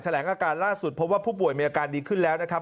แหลงอาการล่าสุดพบว่าผู้ป่วยมีอาการดีขึ้นแล้วนะครับ